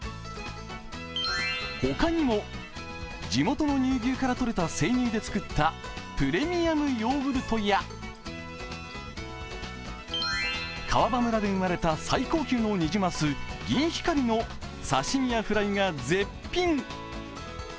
他にも地元の乳牛からとれた生乳で作ったプレミアムヨーグルトや川場村で生まれた最高級のにじます、銀光の刺身やフライが絶品。